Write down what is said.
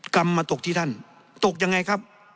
กรรมมาตกที่ท่านตกยังไงครับ